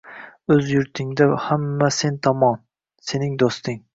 O‘z yurtingda hamma sen tomon – sening do‘sting